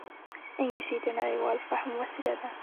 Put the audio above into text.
انګلیسي د نړيوال فهم وسیله ده